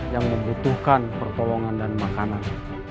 yang membutuhkan pertolongan dan makanan